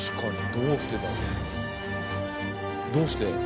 どうして？